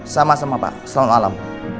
sama sama pak selamat malam